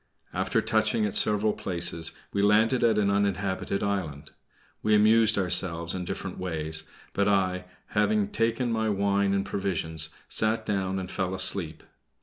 After touching at several places, we landed at an uninhabited island. We amused ourselves in different ways, but I, having taken my wine and provisions, sat down and fell asleep.